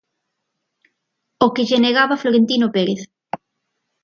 O que lle negaba Florentino Pérez.